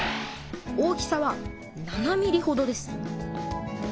大きさは７ｍｍほどです。